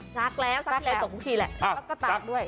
ซักแล้วซักทีละ๒ทีแหละแล้วก็ตากด้วย